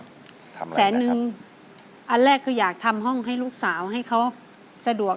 ทำอะไรนะครับแสนนึงอันแรกคืออยากทำห้องให้ลูกสาวให้เขาสะดวก